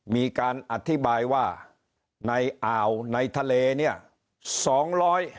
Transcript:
มีการอธิบายว่าในอ่าวในทะเลเนี่ย